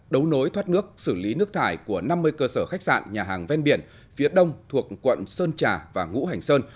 đấu nối thoát nước xử lý nước thải của năm mươi cơ sở khách sạn nhà hàng ven biển phía đông thuộc quận sơn trà và ngũ hành sơn